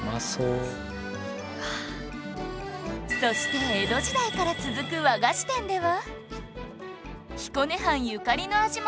そして江戸時代から続く和菓子店では